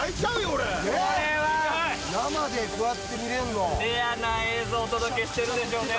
俺生でこうやって見れるのレアな映像をお届けしてるでしょうね